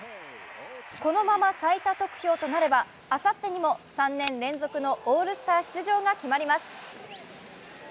このまま最多得票となればあさってにも３年連続のオールスター出場が決まります。